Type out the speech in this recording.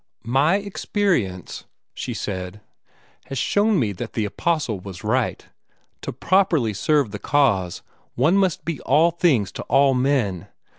"My experience," she said, "has shown me that the Apostle was right. To properly serve the cause, one must be all things to all men.